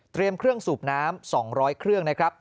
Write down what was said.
เครื่องสูบน้ำ๒๐๐เครื่องนะครับ